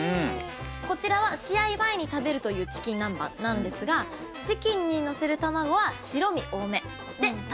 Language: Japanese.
こちらは試合前に食べるというチキン南蛮なんですがチキンに載せる卵は白身多めでタンパク質を増量。